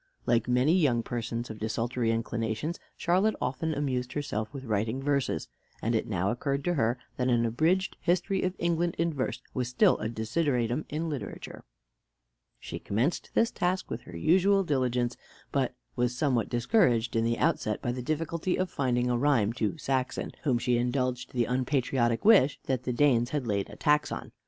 Like many young persons of desultory inclinations, Charlotte often amused herself with writing verses; and it now occurred to her that an abridged history of England in verse was still a desideratum in literature. She commenced this task with her usual diligence; but was somewhat discouraged in the outset by the difficulty of finding a rhyme to Saxon, whom she indulged the unpatriotic wish that the Danes had laid a tax on.